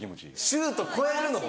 シュート。